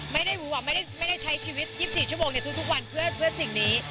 ไม่ได้รู้ไม่ได้ใช้ชีวิต๒๔ชั่วโมงในทุกวันเพื่อสิ่งนี้